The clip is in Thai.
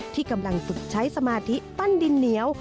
ที่กำลังฝึกใช้สมาธิปั้นดินเหนียว